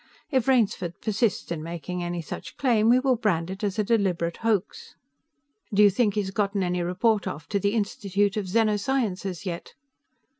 If Rainsford persists in making any such claim, we will brand it as a deliberate hoax." "Do you think he's gotten any report off to the Institute of Xeno Sciences yet?"